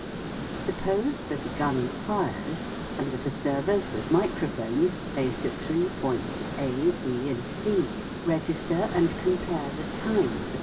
Suppose that a gun fires, and that observers with microphones, placed at three points A, B, and C, register and compare the times at Poinh where * Sound originated /T FIG.